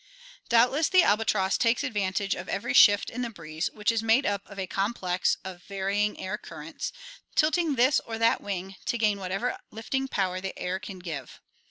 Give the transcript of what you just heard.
Doubtless the albatross takes advantage of every shift in the breeze, which is made up of a complex of varying air currents, tilting this or that wing to gain whatever lifting power the air can give.